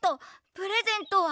プレゼントは？